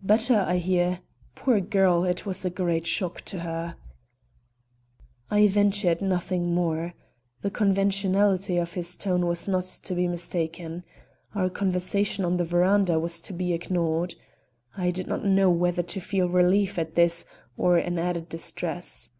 "Better, I hear. Poor girl, it was a great shock to her." I ventured nothing more. The conventionality of his tone was not to be mistaken. Our conversation on the veranda was to be ignored. I did not know whether to feel relief at this or an added distress.